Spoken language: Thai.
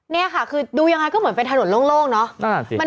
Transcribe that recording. นี่ค่ะคือดูยังไงก็เหมือนเป็นถนนโล่งเนาะ